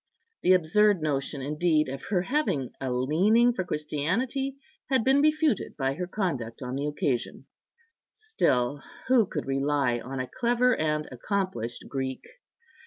The absurd notion, indeed, of her having a leaning for Christianity had been refuted by her conduct on the occasion; still, who could rely on a clever and accomplished Greek?